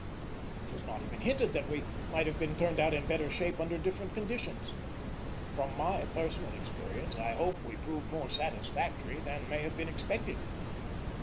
It was not even hinted that we might have been turned out in better shape under different conditions. From my personal experience, I hope we proved more satisfactory than may have been expected.